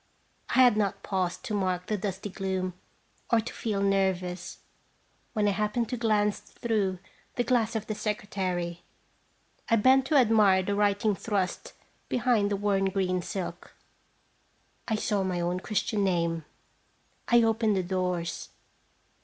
I had not paused to mark the dusty gloom, or to feei nervous, when I happened to glance througn the glass of the secretary. I bent to admire the writing thrust behind the worn green silk. I saw my own Christian name. I opened the doors.